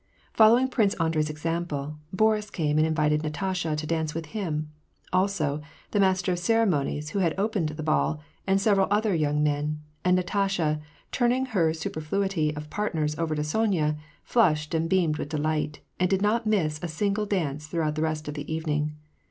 Following Prince Andrei's example, Boris came and invited Natasha to dance with him ; also^ the master of ceremonies, who had opened the ball, and several other young men ; and Natasha, turning her superfluity of partners over to Sonya, flushed and beamed with delight, and did not miss a single dance throughout the rest of the evening.